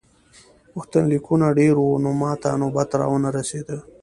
غوښتنلیکونه ډېر وو نو ماته نوبت را ونه رسیده.